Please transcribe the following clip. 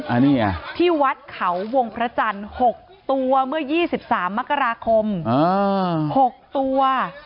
อันนี้ไงที่วัดเขาวงพระจันทร์๖ตัวเมื่อ๒๓มกราคม๖ตัว